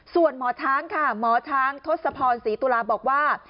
ส่วนหมอช้างค่ะหมอช้างทศพรศรีตุลาบอกว่า